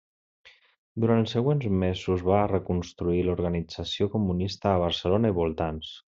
Durant els següents mesos va reconstruir l'organització comunista a Barcelona i voltants.